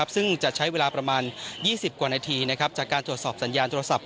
ซึ่งจะใช้เวลาประมาณ๒๐กว่านาทีจากการตรวจสอบสัญญาณโทรศัพท์